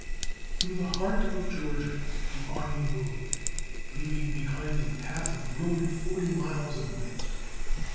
Through the heart of Georgia the army moved, leaving behind a path of ruin forty miles in width.